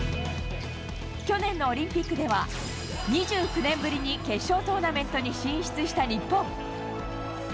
去年のオリンピックでは、２９年ぶりに決勝トーナメントに進出した日本。